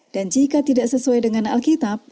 dan jika tidak sesuai dengan alkitab